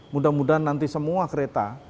mudah mudahan nanti semua kereta